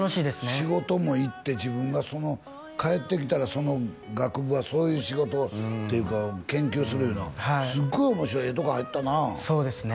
仕事も行って自分がその帰ってきたらその学部はそういう仕事っていうか研究するいうのはすっごい面白いええとこ入ったなそうですね